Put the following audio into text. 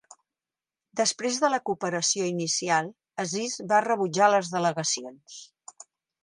Després de la cooperació inicial, Aziz va rebutjar les delegacions.